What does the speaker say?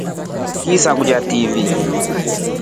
Ngilisakulia TV.